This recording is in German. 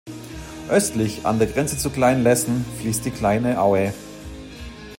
Östlich, an der Grenze zu Klein Lessen, fließt die Kleine Aue.